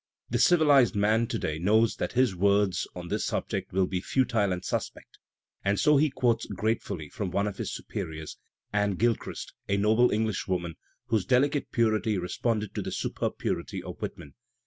The civilized man to day knows that his words on this sub ject will be futile and suspect, and so he quotes gratefully from one of his superiors, Anne Gilchrist, a noble English woman, whose delicate purity responded to the superb purity of Whitman.